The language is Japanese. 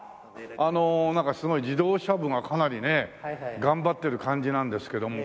あのなんかすごい自動車部がかなりねえ頑張ってる感じなんですけども。